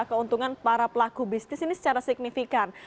keuntungan para pelaku bisnis ini secara signifikan